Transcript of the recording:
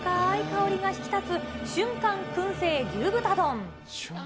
香りが引き立つ、瞬間燻製牛豚丼。